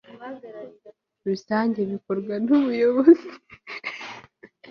rusange bikorwa n umuyobozi